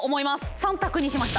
３択にしました。